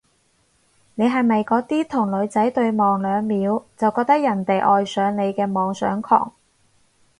你係咪嗰啲同女仔對望兩秒就覺得人哋愛上你嘅妄想狂？